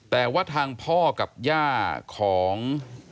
แต่ว่าทางพ่อกับย่าของ